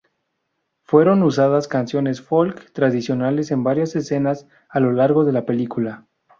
Fueron usadas canciones "folk" tradicionales en varias escenas a lo largo de la película.